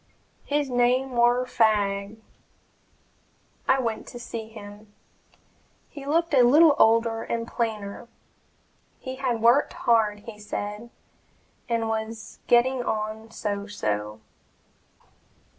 "His name war Fagg." I went to see him. He looked a little older and plainer. He had worked hard, he said, and was getting on "so so."